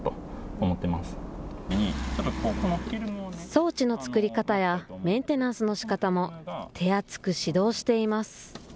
装置の作り方や、メンテナンスのしかたも手厚く指導しています。